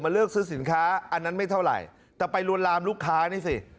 เลือกซื้อสินค้าอันนั้นไม่เท่าไหร่แต่ไปลวนลามลูกค้านี่สิ